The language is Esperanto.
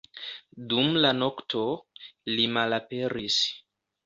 Dum la nokto, li malaperis.